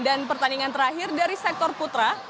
dan pertandingan terakhir dari sektor putra